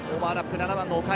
７番の岡井。